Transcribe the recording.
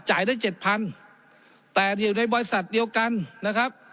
ได้เจ็ดพันแต่อยู่ในบริษัทเดียวกันนะครับ